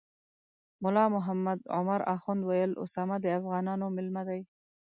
ملا محمد عمر اخند ویل اسامه د افغانانو میلمه دی.